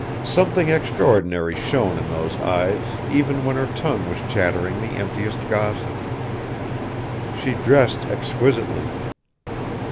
Something extraordinary shone in those eyes even when her tongue was chattering the emptiest gossip. She dressed equisitely.